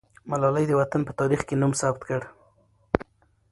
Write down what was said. ملالۍ د وطن په تاریخ کې نوم ثبت کړ.